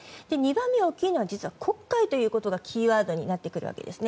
２番目に大きいのは実は、黒海というのがキーワードになってきます。